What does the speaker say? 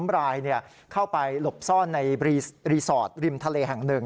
๓รายเข้าไปหลบซ่อนในรีสอร์ทริมทะเลแห่ง๑